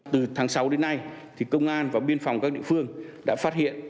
từ tháng sáu đến nay công an và biên phòng các địa phương đã phát hiện